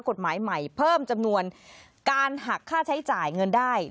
กฎหมายใหม่เพิ่มจำนวนการหักค่าใช้จ่ายเงินได้